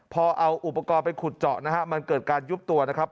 พอเอาอุปกรณ์ไปขุดเจาะนะฮะมันเกิดการยุบตัวนะครับ